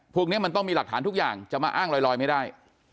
พวกนี้มันต้องมีหลักฐานทุกอย่างจะมาอ้างลอยไม่ได้